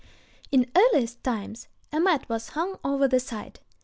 In earliest times, a mat was hung over the side.